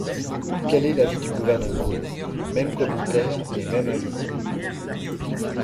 Quel est l’avis du Gouvernement ? Mêmes commentaires et même avis.